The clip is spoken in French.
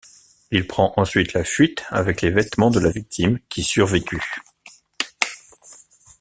Il prend ensuite la fuite avec les vêtements de la victime, qui survécu.